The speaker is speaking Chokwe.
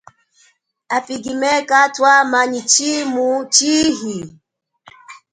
A Pygmees kathwama nyi shimu chihi.